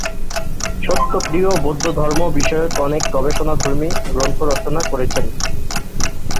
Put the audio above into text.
সত্যপ্রিয় বৌদ্ধ ধর্ম বিষয়ক অনেক গবেষণাধর্মী গ্রন্থ রচনা করেছেন।